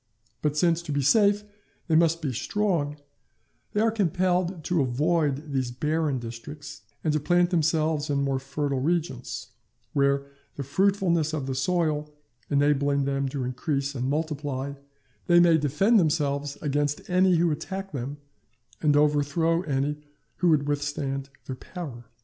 But since to be safe they must be strong, they are compelled avoid these barren districts, and to plant themselves in more fertile regions; where, the fruitfulness of the soil enabling them to increase and multiply, they may defend themselves against any who attack them, and overthrow any who would withstand their power.